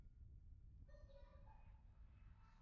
年轻时爱跳舞。